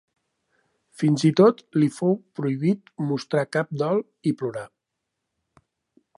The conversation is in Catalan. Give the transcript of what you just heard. Fins i tot li fou prohibit mostrar cap dol i plorar.